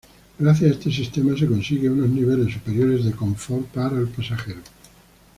Gracias a este sistema se consiguen unos niveles superiores de confort para el pasajero.